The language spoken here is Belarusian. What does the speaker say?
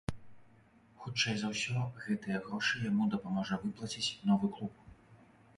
Хутчэй за ўсё, гэтыя грошы яму дапаможа выплаціць новы клуб.